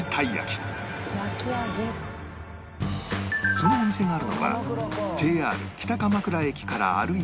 そのお店があるのは ＪＲ 北鎌倉駅から歩いて